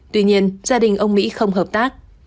tuy nhiên gia đình ông mỹ không hợp tác